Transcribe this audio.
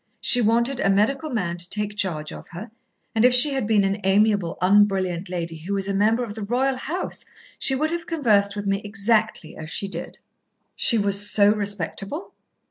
She wanted a medical man to take charge of her, and if she had been an amiable, un brilliant lady who was a member of the royal house, she would have conversed with me exactly as she did." "She was so respectable?"